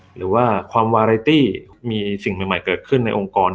หรือว่าความวาไรตี้มีสิ่งใหม่เกิดขึ้นในองค์กร